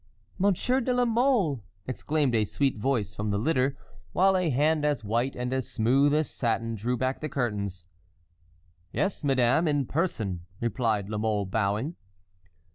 "Monsieur de la Mole!" exclaimed a sweet voice from the litter, while a hand as white and as smooth as satin drew back the curtains. "Yes, madame, in person," replied La Mole bowing.